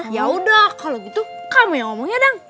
ya udah kalau gitu kamu yang ngomongnya dong